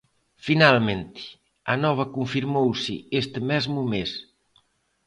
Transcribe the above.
Finalmente, a nova confirmouse este mesmo mes.